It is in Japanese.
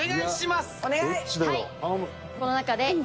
この中で。